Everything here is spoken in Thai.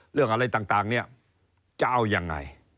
เรื่องอะไรต่างเนี่ยจะเอายังไง